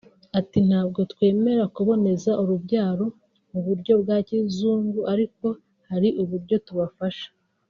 Ati “Ntabwo twemera kuboneza urubyaro mu buryo bwa kizungu ariko hari uburyo tubafasha